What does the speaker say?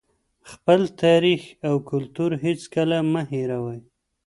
خپل تاریخ او کلتور هېڅکله مه هېروئ.